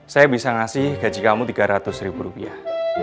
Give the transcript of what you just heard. saya bisa ngasih gaji kamu tiga ratus ribu rupiah